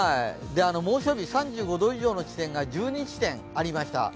猛暑日３５度以上の地点が１２地点ありました。